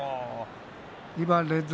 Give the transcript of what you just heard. ２番連続